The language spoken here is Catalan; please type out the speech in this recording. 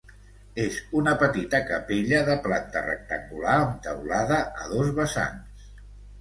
És una petita capella de planta rectangular amb teulada a dos vessants.